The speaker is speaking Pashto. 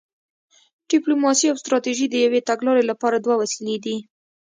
ډیپلوماسي او ستراتیژي د یوې تګلارې لپاره دوه وسیلې دي